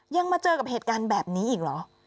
มาเจอกับเหตุการณ์แบบนี้อีกเหรอ